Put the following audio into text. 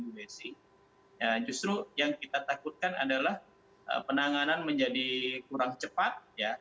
jadi justru yang kita takutkan adalah penanganan menjadi kurang cepat